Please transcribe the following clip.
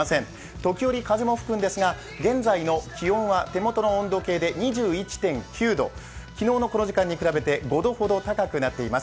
時折、風も吹くんですが、現在の気温は手元の温度計で２１．９度、昨日のこの時間に比べて５度ほど高くなっています。